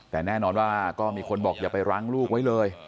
แต่แน่นอนว่าก็มีคนบอกอย่าไปรั้งลูกไว้เลย